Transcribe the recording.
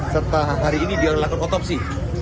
serta hari ini dia lakukan otopsi